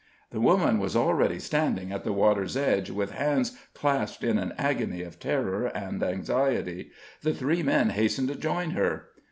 The woman was already standing at the water's edge, with hands clasped in an agony of terror and anxiety. The three men hastened to join her.